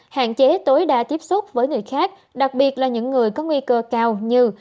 hạn chế tối đa tiếp xúc với người khác đặc biệt là những người có nguy cơ cao như